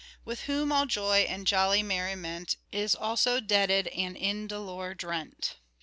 With whom all joy and jolly merriment Is also deaded and in doleur drent.